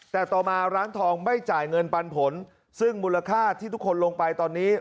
แต่ต่อมาร้านทองไม่จ่ายเงินปันผลซึ่งมูลค่าที่ทุกคนลงไปตอนนี้